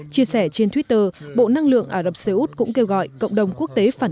chia sẻ trên twitter bộ năng lượng ả rập xê út cũng kêu gọi cộng đồng quốc tế phản